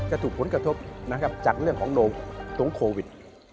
จะถูกผลกระทบจากเรื่องของโนโลยีตรงโควิด